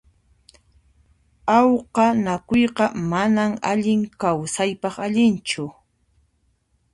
Awqanakuyqa manan allin kawsaypaq allinchu.